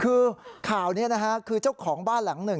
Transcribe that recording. คือข่าวนี้นะฮะคือเจ้าของบ้านหลังหนึ่ง